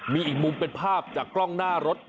มีอีกมุมเป็นภาพจากกล้องหน้ารถ